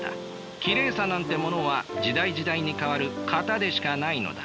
きれいさなんてものは時代時代に変わる型でしかないのだ。